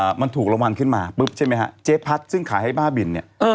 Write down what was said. มันถูกรางวัลขึ้นมาปุ๊บใช่ไหมฮะเจ๊พัดซึ่งขายให้บ้าบินเนี่ยเออ